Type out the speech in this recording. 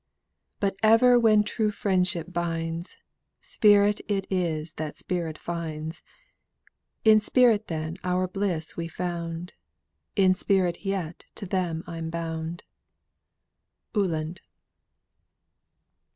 But ever when true friendship binds, Spirit it is that spirit finds; In spirit then our bliss we found, In spirit yet to them I'm bound." UHLAND.